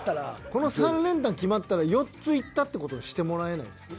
この３連単決まったら４ついったって事にしてもらえないですか？